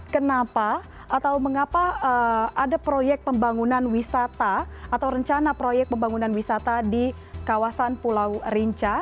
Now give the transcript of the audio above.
kenapa atau mengapa ada proyek pembangunan wisata atau rencana proyek pembangunan wisata di kawasan pulau rinca